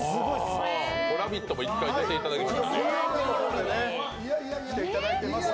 「ラヴィット！」にも１回出ていただきましたね。